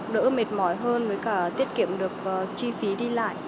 đỡ mệt mỏi hơn với cả tiết kiệm được chi phí đi lại